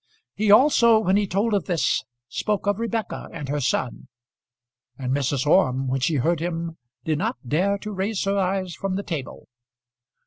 He also, when he told of this, spoke of Rebekah and her son; and Mrs. Orme when she heard him did not dare to raise her eyes from the table.